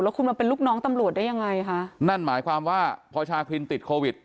คุณมาเป็นลูกน้องตำรวจได้ยังไงคะนั่นหมายความว่าพอชาครินติดโควิด